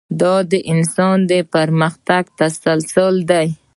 دا د انسان د پرمختګ تسلسل دی.